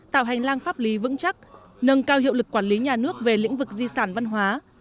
tạo hành lang pháp lý vững chắc nâng cao hiệu lực quản lý nhà nước về lĩnh vực di sản văn hóa